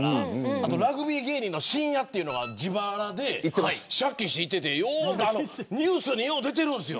あと、ラグビー芸人のしんやっていうのが自腹で借金して行っててニュースによく出てるんですよ